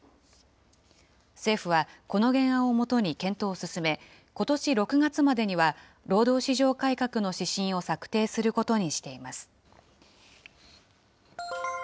政府は、この原案を基に検討を進め、ことし６月までには、労働市場改革の指針を策定することにしています。